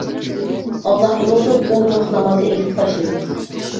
ئاللا ئۇنىڭدىن ئون ۋاق نامازنى ئىلىپ تاشلىدى.